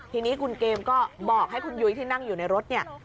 ทีนี้คุณเกมก็บอกให้คุณยุ้ยที่นั่งอยู่ในรถเนี่ย